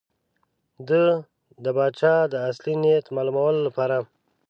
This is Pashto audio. ده د پاچا د اصلي نیت د معلومولو لپاره.